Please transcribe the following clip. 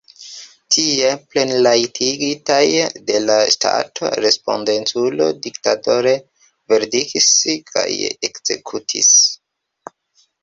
Tie, plenrajtigitaj de la ŝtato, respondeculoj diktatore verdiktis kaj ekzekutis.